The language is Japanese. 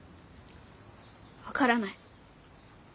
わからない。